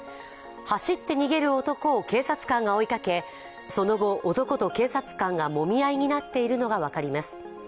走って逃げる男を警察官が追いかけ、その後、男と警察官がもみ合いになっているのが分かります。